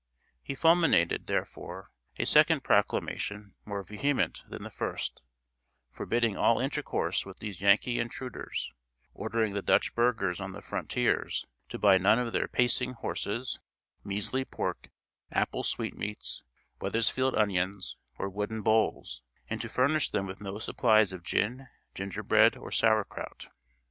He fulminated, therefore, a second proclamation more vehement than the first, forbidding all intercourse with these Yankee intruders; ordering the Dutch burghers on the frontiers to buy none of their pacing horses, measly pork, apple sweetmeats, Weathersfield onions, or wooden bowls, and to furnish them with no supplies of gin, gingerbread, or sourkrout.